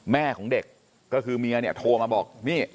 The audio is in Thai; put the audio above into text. แม่ของเด็กก็คือเมียเนี่ยโทรมาบอกนี่